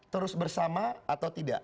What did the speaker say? terus bersama atau tidak